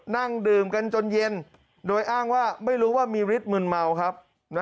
นั่งดื่มกันจนเย็นโดยอ้างว่าไม่รู้ว่ามีฤทธิมึนเมาครับ